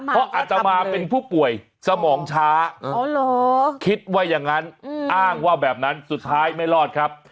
เพราะอัตมาเป็นผู้ป่วยสมองช้าคิดว่าอย่างนั้นอ้างว่าแบบนั้นสุดท้ายไม่รอดครับ